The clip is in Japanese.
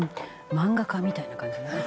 漫画家みたいな感じね」